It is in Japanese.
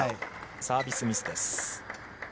サービスミスです。